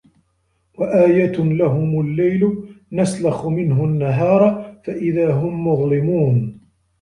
وَآيَةٌ لَهُمُ اللَّيلُ نَسلَخُ مِنهُ النَّهارَ فَإِذا هُم مُظلِمونَ